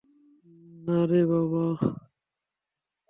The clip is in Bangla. নারে, বাবা!